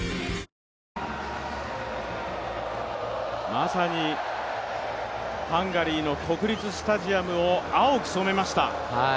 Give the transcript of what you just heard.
まさに、ハンガリーの国立スタジアムを青く染めました。